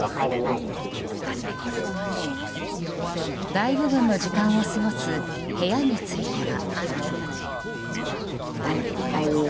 大部分の時間を過ごす部屋については。